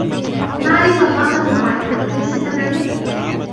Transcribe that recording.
ماري طباخة رائعة، أليس كذلك؟